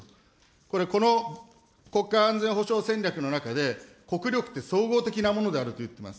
これ、この国家安全保障戦略の中で、国力って総合的なものであるっていってます。